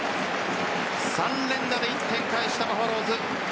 ３連打で１点返したバファローズ。